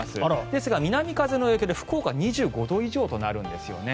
ですが南風の影響で、福岡は２５度以上となるんですよね。